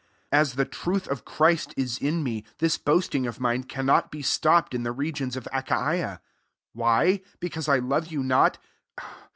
10 As the truth of Christ is in me, this boasting of mme cannot be stopped in the re gions of Achaia. 11 Why? be cause I love you not